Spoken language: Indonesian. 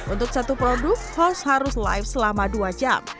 untuk satu produk host harus live selama dua jam